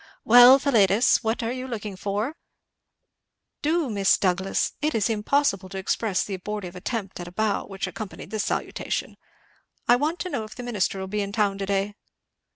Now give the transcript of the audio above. "Well, Philetus! what are you looking for?" "Do, Mis' Douglass!" it is impossible to express the abortive attempt at a bow which accompanied this salutation, "I want to know if the minister 'll be in town to day?"